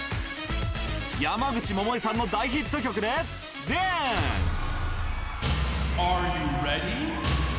山口百恵さんの大ヒット曲でダンス。